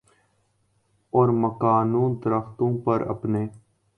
اور مکانوں درختوں پر اپنے